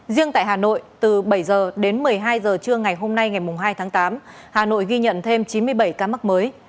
riêng tại hà nội từ bảy h đến một mươi hai h trưa ngày hôm nay ngày hai tháng tám hà nội ghi nhận thêm chín mươi bảy ca mắc mới